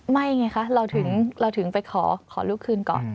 ไงคะเราถึงไปขอลูกคืนก่อน